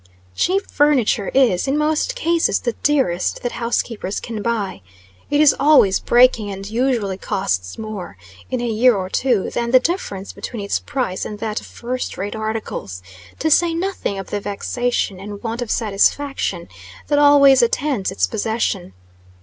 Cheap furniture is, in most cases, the dearest that housekeepers can buy. It is always breaking, and usually costs more, in a year or two, than the difference between its price and that of first rate articles; to say nothing of the vexation and want of satisfaction that always attends its possession.